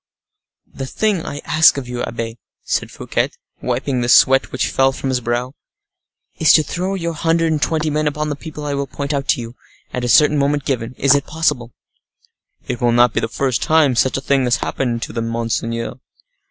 "The thing I ask of you, abbe," said Fouquet, wiping the sweat which fell from his brow, "is to throw your hundred and twenty men upon the people I will point out to you, at a certain moment given—is it possible?" "It will not be the first time such a thing has happened to them, monseigneur."